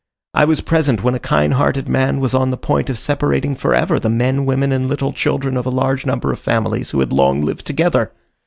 I was present when a kind hearted man was on the point of separating forever the men, women, and little children of a large number of families who had long lived together.